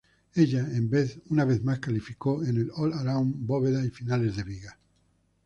Ella una vez más calificó en el all-around, bóveda y finales de Viga.